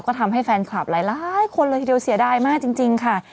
ก็ทำให้แฟนคลับหลายคนเลยทีเดียวเสียดายมากจริงค่ะ